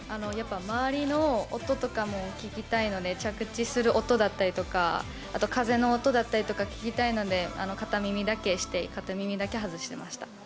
やっぱり周りの音とかも聴きたいので着地する音だったりあとは風の音だったりとかを聞きたいので、片耳だけして片耳だけ外してました。